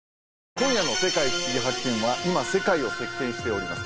今夜の「世界ふしぎ発見！」は今世界を席巻しております